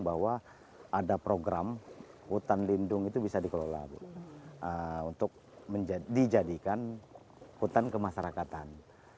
bahwa ada program hutan lindung itu bisa dikelola untuk dijadikan hutan kemasyarakatan